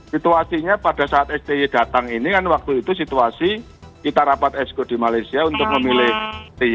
situasinya pada saat sti datang ini kan waktu itu situasi kita rapat exco di malaysia untuk memilih sti